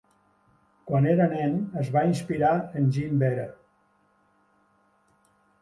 Quan era nen es va inspirar en Jean Behra.